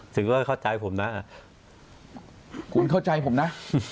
ถึงก็เข้าใจผมนะคุณเข้าใจผมนะ